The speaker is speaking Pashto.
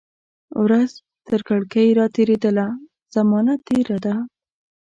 ورځ ترکړکۍ را تیریدله، زمانه تیره ده